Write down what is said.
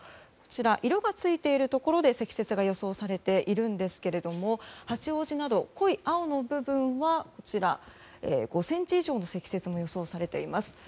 こちら、色がついているところで積雪が予想されているんですが八王子など濃い青の部分は５ｃｍ以上の積雪も予想されています。